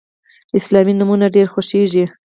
اسلامي نومونه ډیر خوښیږي.